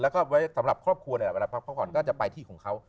แล้วก็สำหรับครอบครัวก็จะไปที่ของเขา